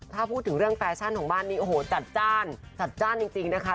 ถ้าพูดถึงเรื่องแฟชั่นของบ้านนี้โอ้โหจัดจ้านจัดจ้านจริงนะคะ